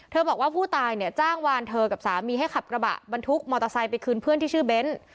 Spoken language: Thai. บอกว่าผู้ตายเนี่ยจ้างวานเธอกับสามีให้ขับกระบะบรรทุกมอเตอร์ไซค์ไปคืนเพื่อนที่ชื่อเบ้น